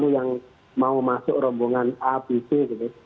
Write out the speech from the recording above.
yang mau masuk rombongan a b c gitu